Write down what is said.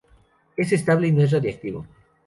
Es estable y no es radiactivo.